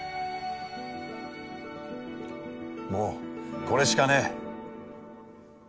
もうこれしかねえ。